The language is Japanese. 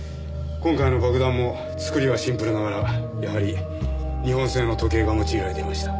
今回の爆弾も作りはシンプルながらやはり日本製の時計が用いられていました。